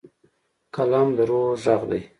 قلم د روح غږ دی.